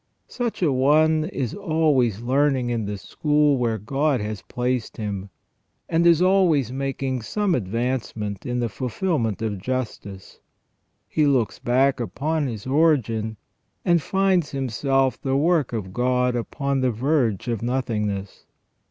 Such a one is always learning in the school where God has placed him, and is always making some advancement in the fulfilment of justice. He looks back upon his origin, and finds himself the work of God upon the verge of nothingness.